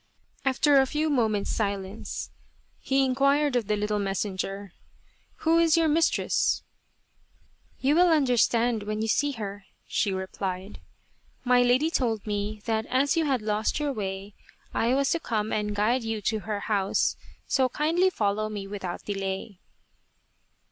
After a few moment's silence he inquired of the little messenger, " Who is your mistress ?"" You will understand when you see her," she re plied. " My lady told me that as you had lost your way, I was to come and guide you to her house, so kindly follow me without delay."